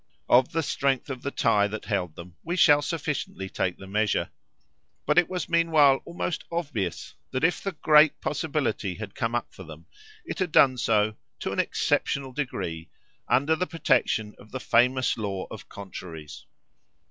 Of the strength of the tie that held them we shall sufficiently take the measure; but it was meanwhile almost obvious that if the great possibility had come up for them it had done so, to an exceptional degree, under the protection of the famous law of contraries.